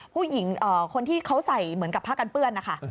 ผู้หญิงคนที่เขาใส่เหมือนกับผ้ากันเปื้อนนะคะ